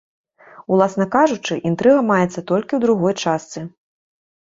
Уласна кажучы, інтрыга маецца толькі ў другой частцы.